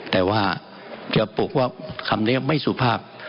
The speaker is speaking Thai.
แต่ว่าจะปลุกว่าคำนี้ไม่สุภาพ